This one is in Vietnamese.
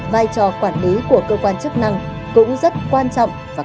vai trò quản lý của cơ quan chức năng cũng rất quan trọng